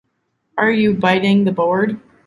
Are you biting the board?